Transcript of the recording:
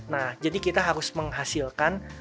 nah jadi kita harus menghasilkan